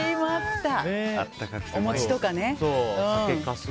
お餅とかね。